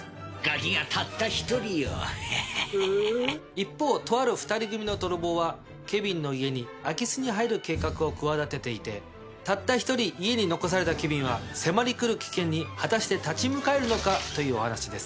一方とある２人組の泥棒はケビンの家に空き巣に入る計画を企てていてたった１人家に残されたケビンは迫り来る危険に果たして立ち向かえるのか？というお話です。